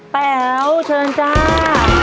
ป้าแอ๋วเชิญจ้า